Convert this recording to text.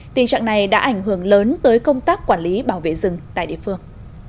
tình trạng này đã ảnh hưởng lớn tới công tác quản lý bảo vệ rừng tại địa phương